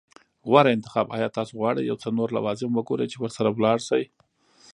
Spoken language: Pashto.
غوره انتخاب. ایا تاسو غواړئ یو څه نور لوازم وګورئ چې ورسره لاړ شئ؟